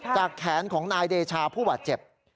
แขนของนายเดชาผู้บาดเจ็บ